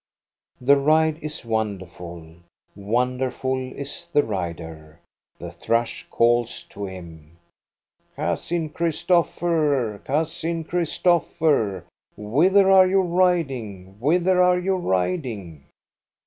The ride is wonderful ; wonderful is the rider. The thrush calls to him :— "Cousin Christopher, Cousin Christopher, whither are you riding? Whither are you riding?"